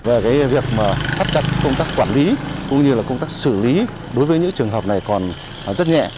và việc phát trắc công tác quản lý cũng như công tác xử lý đối với những trường hợp này còn rất nhẹ